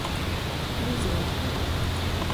Lizeika.